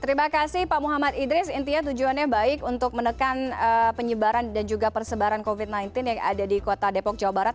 terima kasih pak muhammad idris intinya tujuannya baik untuk menekan penyebaran dan juga persebaran covid sembilan belas yang ada di kota depok jawa barat